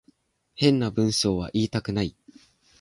変な文章は言いたくない